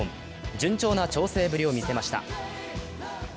順調な調整ぶりを見せました。